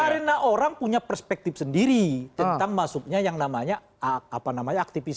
karena orang punya perspektif sendiri tentang masuknya yang namanya apa namanya aktivis